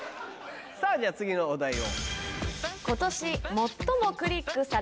さぁじゃあ次のお題を。